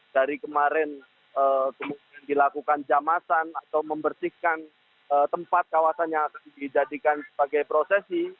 dari kemarin dilakukan jamasan atau membersihkan tempat kawasan yang dijadikan sebagai prosesi